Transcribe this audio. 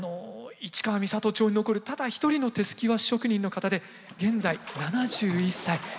市川三郷町に残るただ一人の手すき和紙職人の方で現在７１歳。